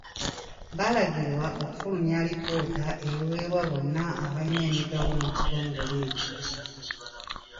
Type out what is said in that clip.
Balagirwa okufulumya alipoota eweebwa bonna abalina emigabo mu kitongole ekyo.